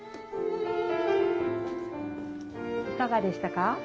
いかがでしたか？